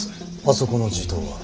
あそこの地頭は。